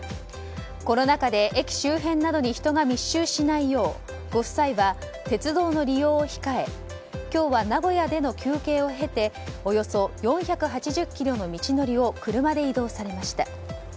コロナ禍で駅周辺などに人が密集しないようご夫妻は鉄道の利用を控え今日は名古屋での休憩を経ておよそ４８０ｋｍの道のりを車で移動されました。